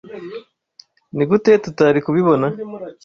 Nigute tutari kubibona?